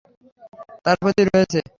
তার প্রতি রয়েছে।